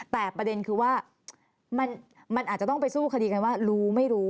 แต่ประเด็นคือว่ามันอาจจะต้องไปสู้คดีกันว่ารู้ไม่รู้